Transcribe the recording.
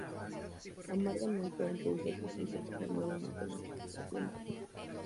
Amargamente, ha impedido a su hija, Hermíone, conozca a su propia madre.